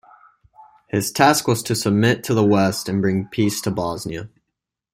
His task was to submit to the west and bring peace to Bosnia.